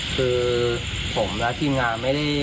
คือผมและทีมงานไม่ได้